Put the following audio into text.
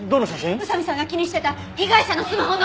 宇佐見さんが気にしてた被害者のスマホの！